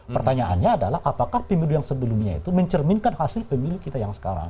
pertanyaannya adalah apakah pemilu yang sebelumnya itu mencerminkan hasil pemilu kita yang sekarang